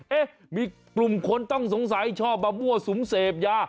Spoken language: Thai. เอ๊ะมีกลุ่มคนต้องสงสัยชอบมามั่วสุมเสพยา